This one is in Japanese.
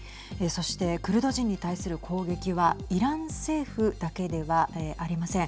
そしてクルド人に対する攻撃はイラン政府だけではありません。